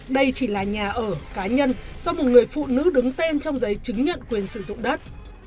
đây chỉ là nhà ở cá nhân do một người phụ nữ đứng tên trong giấy chứng nhận quyền sử dụng đất